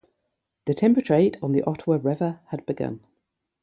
The timber trade on the Ottawa River had begun.